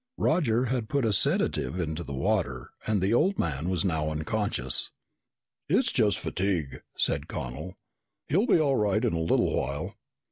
Roger had put a sedative into the water and the old man was now unconscious. "It's just fatigue," said Connel. "He'll be all right in a little while."